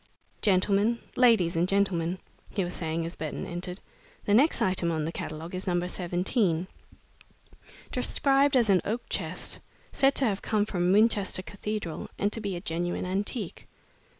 "Gentlemen ladies and gentlemen," he was saying as Burton entered, "the next item on the catalogue is number 17, described as an oak chest, said to have come from Winchester Cathedral and to be a genuine antique."